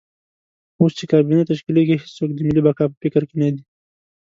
اوس چې کابینه تشکیلېږي هېڅوک د ملي بقا په فکر کې نه دي.